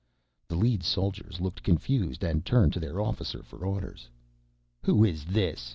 The lead soldiers looked confused and turned to their officer for orders. "Who is this?"